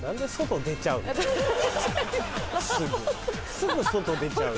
すぐ外出ちゃう。